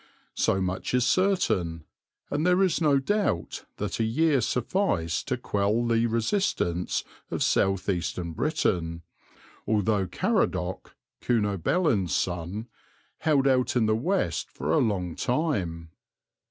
So much is certain, and there is no doubt that a year sufficed to quell the resistance of south eastern Britain, although Caradoc, Cunobelin's son, held out in the west for a long time.